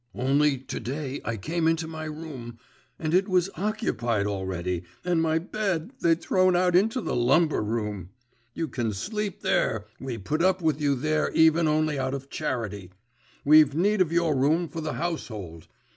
… Only, to day I came into my room, and it was occupied already, and my bed they'd thrown out into the lumber room! "You can sleep there; we put up with you there even only out of charity; we've need of your room for the household."